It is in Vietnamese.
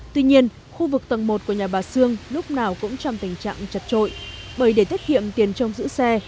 tuy nhiên khu vực tầng một của nhà bà sương lúc nào cũng trong tình trạng chật trội bởi để tiết kiệm tiền trong giữ xe